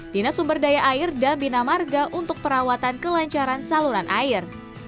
dinas sumber daya air dan bina marga untuk perawatan kelencaran saluran air